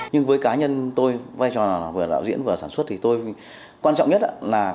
nhưng với cá nhân tôi vai trò là vừa đạo diễn vừa sản xuất thì tôi quan trọng nhất là